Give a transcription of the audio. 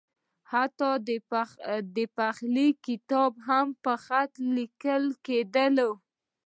حتی د پخلي کتابونه هم په خط لیکل کېدل.